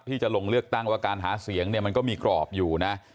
ที่จะลงเลือกตั้งว่าการหาเสียงเนี่ยมันก็มีกรอบอยู่นะ